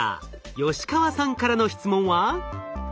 吉川さんからの質問は？